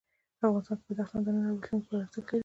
افغانستان کې بدخشان د نن او راتلونکي لپاره ارزښت لري.